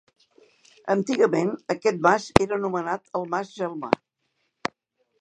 Antigament aquest mas era anomenat el Mas Gelmar.